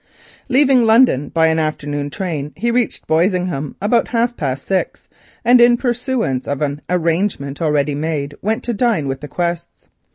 Leaving London by an afternoon train, he reached Boisingham about half past six, and in pursuance of an arrangement already made, went to dine with the Quests.